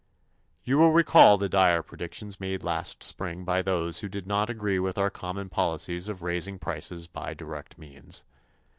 You will recall the dire predictions made last spring by those who did not agree with our common policies of raising prices by direct means.